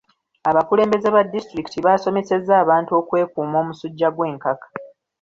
Abakulembeze ba disitulikiti baasomesezza abantu okwekuuma omusujja gw'enkaka.